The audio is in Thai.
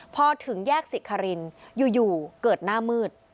พอถึงแยกศิกคารินอยู่เกิดหน้ามืด